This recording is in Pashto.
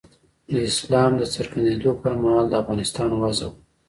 د اسلام د څرګندېدو پر مهال د افغانستان وضع وه.